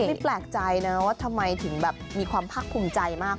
ไม่แปลกใจนะว่าทำไมถึงแบบมีความภาคภูมิใจมาก